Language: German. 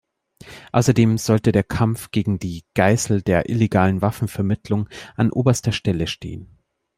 Außerdem sollte der Kampf gegen die Geißel der illegalen Waffenvermittlung an oberster Stelle stehen.